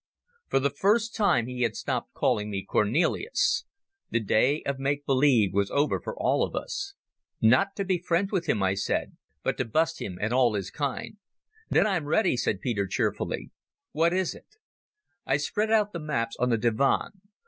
For the first time he had stopped calling me "Cornelis". The day of make believe was over for all of us. "Not to be friends with him," I said, "but to bust him and all his kind." "Then I'm ready," said Peter cheerfully. "What is it?" I spread out the maps on the divan.